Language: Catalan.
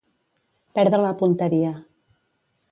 Perdre la punteria.